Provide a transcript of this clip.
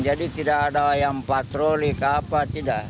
jadi tidak ada yang patroli ke apa tidak